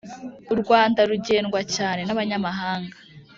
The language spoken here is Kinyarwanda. U Rwanda rugendwa cyane nabanyamahanga